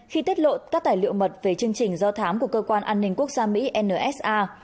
khi tiết lộ các tài liệu mật về chương trình do thám của cơ quan an ninh quốc gia mỹ nsa